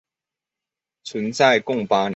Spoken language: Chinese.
存在共八年。